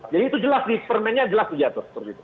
jadi itu jelas dipermennya jelas diatur